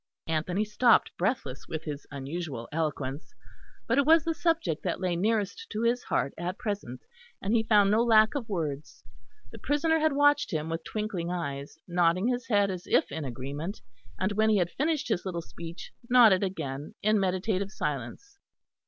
Anthony stopped, breathless with his unusual eloquence; but it was the subject that lay nearest to his heart at present, and he found no lack of words. The prisoner had watched him with twinkling eyes, nodding his head as if in agreement; and when he had finished his little speech, nodded again in meditative silence.